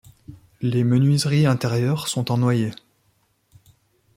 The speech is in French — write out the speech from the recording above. Les menuiseries intérieures sont en noyer.